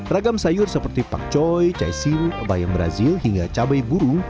ragam sayur seperti pakcoy caisim bayam brazil hingga cabai burung